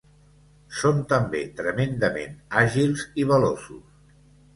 Són també tremendament àgils i veloços.